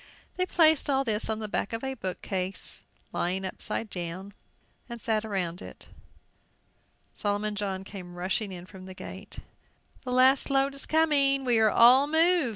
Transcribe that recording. They placed all this on the back of a bookcase lying upset, and sat around it. Solomon John came rushing in from the gate. "The last load is coming! We are all moved!"